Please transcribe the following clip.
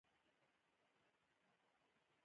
د علمي تحقیقاتو اصل دا دی چې ځان وژغوري.